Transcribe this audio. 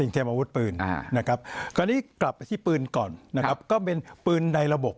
ตอนนี้กลับไปที่ปืนก่อนนะครับก็เป็นปืนในระบบ